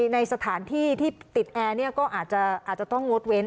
ในสถานที่ที่ติดแอร์ก็อาจจะต้องงดเว้น